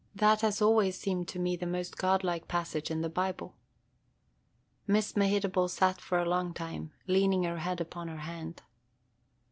That has always seemed to me the most godlike passage in the Bible." Miss Mehitable sat for a long time, leaning her head upon her hand.